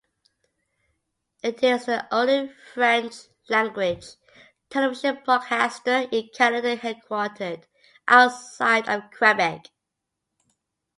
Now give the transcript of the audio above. It is the only French-language television broadcaster in Canada headquartered outside of Quebec.